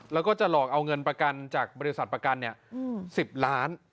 แล้วก็จะหลอกเอาเงินประกันจากบริษัทประกัน๑๐ล้าน